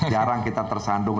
jarang kita tersandung